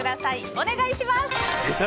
お願いします。